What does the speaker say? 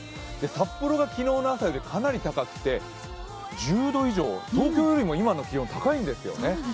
札幌が昨日の朝よりかなり高くて１０度以上、東京よりも今の気温、高いんですよね。